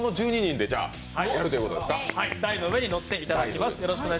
台の上に乗っていただきます。